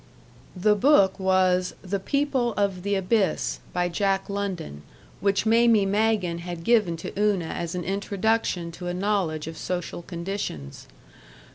The book was The People of the Abyss, by Jack London, which Mamie Magen had given to Una as an introduction to a knowledge of social conditions.